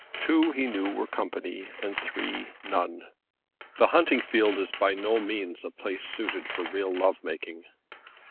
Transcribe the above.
Two, he knew, were company and three none. The hunting field is by no means a place suited for real love making.